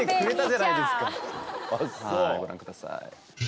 はいご覧ください。